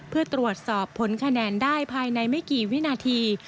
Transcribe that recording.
เพื่อตรวจสอบผลคะแนนได้ภายในไม่กี่วินาที